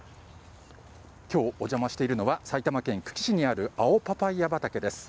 きょう、お邪魔しているのは、埼玉県久喜市にある青パパイア畑です。